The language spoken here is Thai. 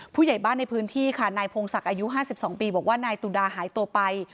ผู้ใหญ่บ้านในพื้นที่ค่ะนายพงศักดิ์อายุ๕๒ปีบอกว่านายตุดาหายตัวไป